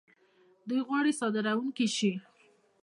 دوی غواړي صادرونکي شي.